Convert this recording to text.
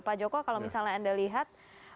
pak joko kalau misalnya anda lihat